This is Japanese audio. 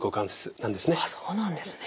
あそうなんですね。